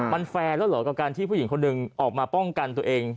มันแฟร์แล้วเหรอกับการที่ผู้หญิงคนหนึ่งออกมาป้องกันตัวเอง